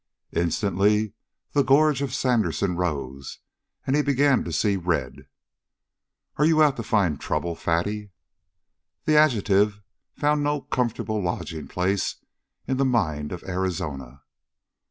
Instantly the gorge of Sandersen rose, and he began to see red. "Are you out to find trouble, Fatty?" The adjective found no comfortable lodging place in the mind of Arizona.